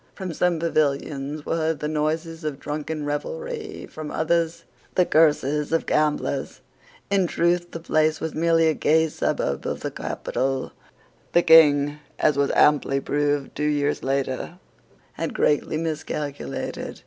From some pavilions were heard the noises of drunken revelry, from others the curses of gamblers. In truth the place was merely a gay suburb of the capital. The King, as was amply proved two years later, had greatly miscalculated.